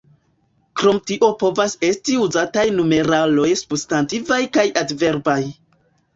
Krom tio povas esti uzataj numeraloj substantivaj kaj adverbaj.